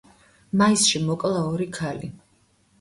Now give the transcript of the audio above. მაისში მოკლა ორი ქალი.